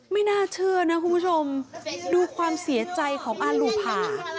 ไม่น่าเชื่อนะคุณผู้ชมดูความเสียใจของอาลูภา